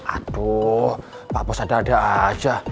aduh pak bos ada ada aja